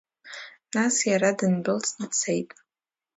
Нас иара дындәылҵны дцеит.